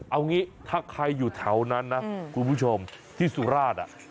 เอางี้ถ้าใครอยู่แถวนั้นนะคุณผู้ชมที่สุราช